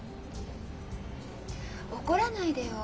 怒らないでよ。